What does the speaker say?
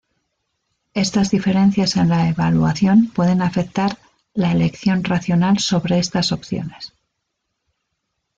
Estas diferencias en la evaluación pueden afectar la elección racional sobre estas opciones.